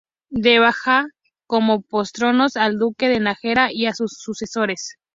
Dejaba como patronos al Duque de Nájera y a sus sucesores.